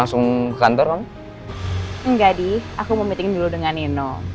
aku mau meeting dulu dengan nino